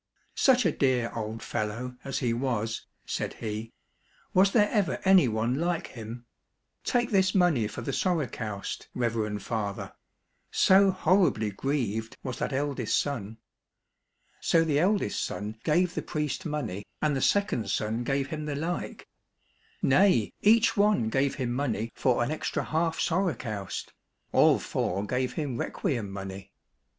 " Such a dear old fellow as he was !" said he ;" was there ever any one like him ? Take this money for the sorokoust, reverend father !" so horribly grieved was that eldest son. So the eldest son gave the priest ^ Prayers lasting forty days. 224 THE UNGRATEFUL CHILDREN money, and the second son gave him the Hke. Nay, each one gave him money for an extra half sorokoust, all four gave him requiem money.